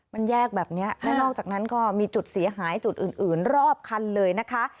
มันแยกแบบนี้และนอกจากนั้นก็มีจุดเสียหายจุดอื่นรอบคันเลยนะคะ